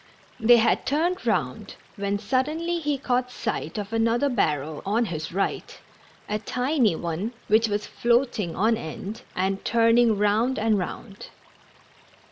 The}^ had turned round, when suddenly he caught sight of another barrel on his right — a tiny one, which was floating on end, and turning round and round.